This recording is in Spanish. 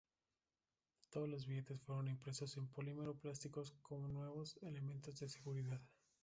Todos los billetes fueron impresos en polímero plástico con nuevos elementos de seguridad.